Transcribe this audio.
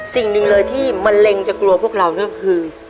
สิ่งหนึ่งเลยที่มะเร็งจะกลัวพวกเราก็คือ